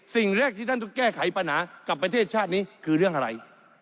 สิ่งแรกที่ท่านต้องแก้ไขปัญหากับประเทศชาตินี้คือเรื่องอะไร